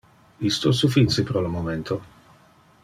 Isto suffice pro le momento.